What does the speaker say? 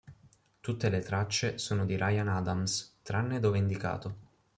Tutte le tracce sono di Ryan Adams, tranne dove indicato.